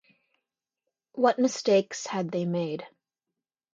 What mistakes had they made?